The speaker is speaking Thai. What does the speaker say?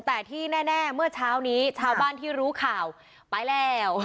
แต่ที่แน่เมื่อเช้านี้ชาวบ้านที่รู้ข่าวไปแล้ว